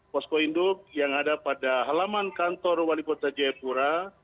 posko induk yang ada pada halaman kantor wali kota jayapura